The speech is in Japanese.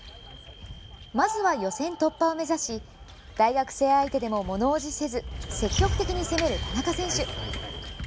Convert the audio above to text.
まずは予選突破を目指し大学生相手でも、ものおじせず積極的に攻める田中選手。